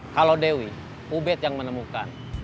kalau dewi ubed yang menemukan